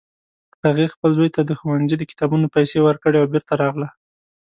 هغې خپل زوی ته د ښوونځي د کتابونو پیسې ورکړې او بیرته راغله